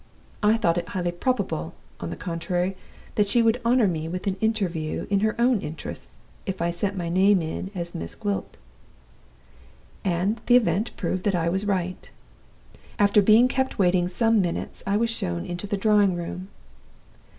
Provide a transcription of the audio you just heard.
I thought it highly probable, on the contrary, that she would honor me with an interview in her own interests, if I sent in my name as 'Miss Gwilt' and the event proved that I was right. After being kept waiting some minutes I was shown into the drawing room.